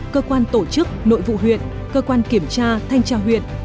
cơ quan tổ chức nội vụ huyện cơ quan kiểm tra thanh tra huyện